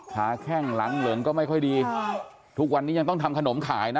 แข้งหลังเหลิงก็ไม่ค่อยดีทุกวันนี้ยังต้องทำขนมขายนะ